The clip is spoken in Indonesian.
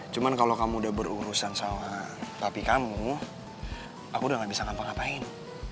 cuman kalau kamu udah berurusan sama papi kamu aku udah gak bisa ngapa ngapain